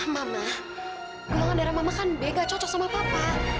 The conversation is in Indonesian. mama gulangan darah mama kan bega cocok sama papa